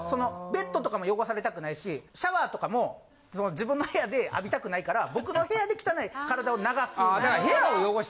ベッドとかも汚されたくないしシャワーとかも自分の部屋で浴びたくないから僕の部屋で汚い体を流すんですよ。